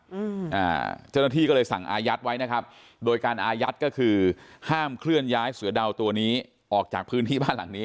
อืมอ่าเจ้าหน้าที่ก็เลยสั่งอายัดไว้นะครับโดยการอายัดก็คือห้ามเคลื่อนย้ายเสือดาวตัวนี้ออกจากพื้นที่บ้านหลังนี้